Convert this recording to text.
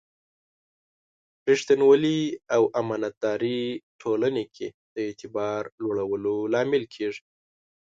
ریښتینولي او امانتداري ټولنې کې د اعتبار لوړولو لامل کېږي.